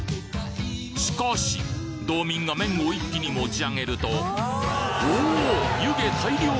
しかし道民が麺を一気に持ち上げるとおぉ！